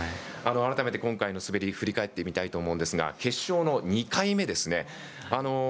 改めて今回の滑り振り返ってみたいと思うんですが決勝の２回目ですね。